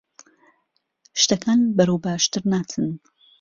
شتەکان بەرەو باشتر ناچن.